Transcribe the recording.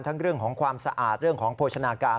เรื่องของความสะอาดเรื่องของโภชนาการ